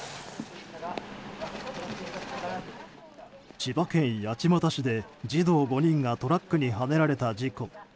千葉県八街市で児童５人がトラックにはねられた事故。